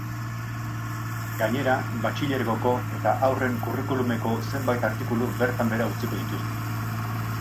Gainera, batxilergoko eta haurren curriculumeko zenbait artikulu bertan behera utziko dituzte.